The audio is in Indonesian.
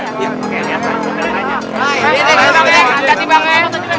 hai ini dia bang be